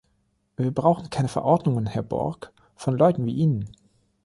Wir brauchen keine Verordnungen, Herr Borg, von Leuten wie Ihnen.